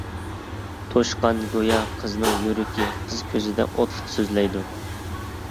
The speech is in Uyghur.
توشقان گويا قىزنىڭ يۈرىكى قىز كۆزىدە ئوتلۇق سۆزلەيدۇ.